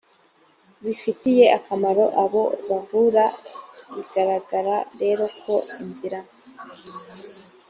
bifitiye akamaro abo bavura biragaragara rero ko inzira